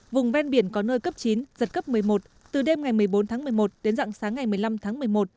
vùng ven biển có nơi cấp chín giật cấp một mươi một từ đêm ngày một mươi bốn tháng một mươi một đến dặng sáng ngày một mươi năm tháng một mươi một